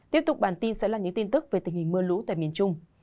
tiếp tục bản tin sẽ là những tin tức về tình hình mưa lũ tại miền trung